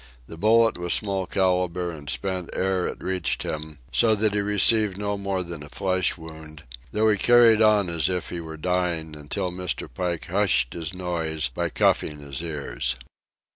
The bullet was small calibre and spent ere it reached him, so that he received no more than a flesh wound, though he carried on as if he were dying until Mr. Pike hushed his noise by cuffing his ears.